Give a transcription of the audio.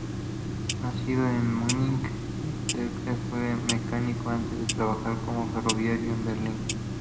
Nacido en Múnich, Drexler fue mecánico antes de trabajar como ferroviario en Berlín.